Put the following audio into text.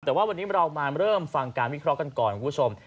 แต่ว่าวันนี้เรามาเริ่มฟังการวิเคราะห์กันก่อนคุณผู้ชม